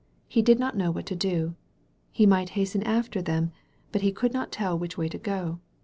He did not know what to do. He might hasten after them, but he could not tell which way to go.